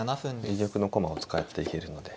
自玉の駒を使っていけるので。